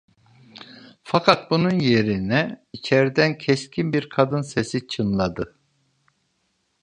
Fakat bunun yerine içerden keskin bir kadın sesi çınladı: